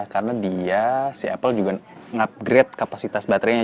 karena dia si apple juga nge upgrade kapasitas baterainya